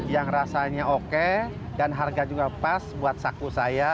yang rasanya oke dan harga juga pas buat saku saya